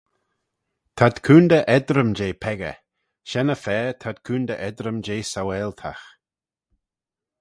T'ad coontey eddrym jeh peccah, shen-y-fa ta'd coontey eddrym jeh saualtagh.